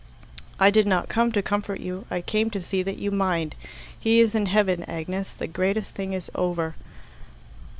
"I did not come to comfort you. I came to see that you mind. He is in heaven, Agnes. The greatest thing is over."